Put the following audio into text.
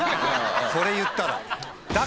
それ言ったら。